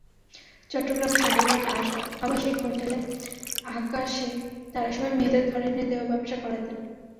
চট্টগ্রামের সদরঘাট আবাসিক হোটেল আকাশে তাঁরা সবাই মেয়েদের ধরে এনে দেহব্যবসা করাতেন।